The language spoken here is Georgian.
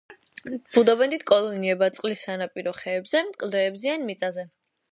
ბუდობენ დიდ კოლონიებად წყლის სანაპირო ხეებზე, კლდეებზე ან მიწაზე.